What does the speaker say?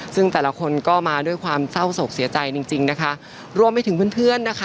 ซึ่งแต่ละคนก็มาด้วยความเศร้าโศกเสียใจจริงจริงนะคะรวมไปถึงเพื่อนเพื่อนนะคะ